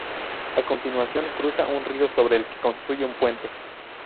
A continuación cruza un río sobre el que construye un puente.